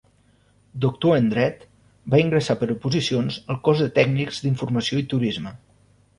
Doctor en Dret, va ingressar per oposició al Cos de Tècnics d'Informació i Turisme.